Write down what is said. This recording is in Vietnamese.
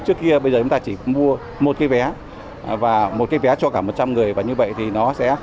trước kia bây giờ chúng ta chỉ mua một cái vé và một cái vé cho cả một trăm linh người và như vậy thì nó sẽ